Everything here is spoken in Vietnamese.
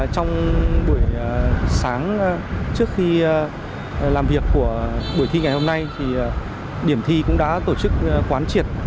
trong buổi sáng trước khi làm việc của buổi thi ngày hôm nay điểm thi cũng đã tổ chức quán triệt